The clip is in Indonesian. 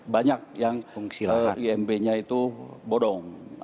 banyak yang fungsi imb nya itu bodong